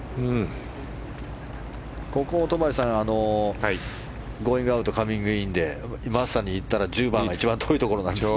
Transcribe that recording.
ここを戸張さんゴーイングアウトカミングインでまさに１０番が一番遠いところなんですね。